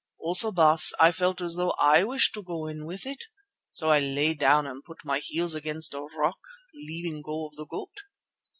Also, Baas, I felt as though I wished to go with it. So I lay down and put my heels against a rock, leaving go of the goat.